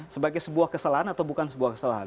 sebagai sebuah kesalahan atau bukan sebuah kesalahan